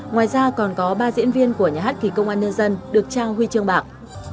ngoài ra còn có ba diễn viên của nhà hát kỳ công an nhân dân được trao huy chương bạc